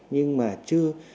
nhưng mà chưa